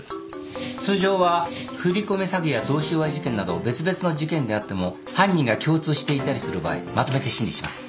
通常は振り込め詐欺や贈収賄事件など別々の事件であっても犯人が共通していたりする場合まとめて審理します。